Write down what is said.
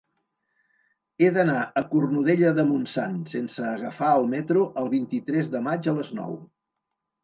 He d'anar a Cornudella de Montsant sense agafar el metro el vint-i-tres de maig a les nou.